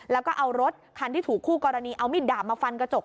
แล้วก็เอารถคันที่ถูกคู่กรณีเอามิดดาบมาฟันกระจก